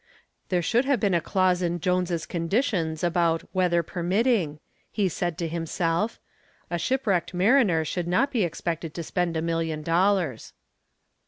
"There should have been a clause in Jones's conditions about 'weather permitting,'" he said to himself. "A shipwrecked mariner should not be expected to spend a million dollars."